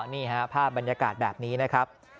นี่ฮะภาพบรรยากาศแบบนี้นะครับ